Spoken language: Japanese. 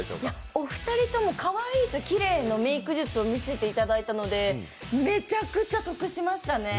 お二人ともかわいいときれいのメーク術を見せていただいたのでめちゃくちゃ得しましたね。